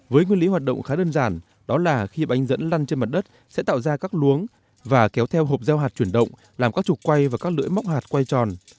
với nguyên lý hoạt động khá đơn giản đó là khi bánh dẫn lăn trên mặt đất sẽ tạo ra các luống và kéo theo hộp gieo hạt chuyển động làm các trục quay và các lưỡi móc hạt quay tròn